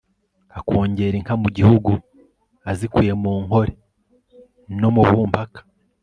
akongera inka mu gihugu azikuye mu nkole no mu bumpaka